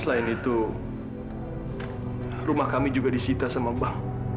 selain itu rumah kami juga disita sama bank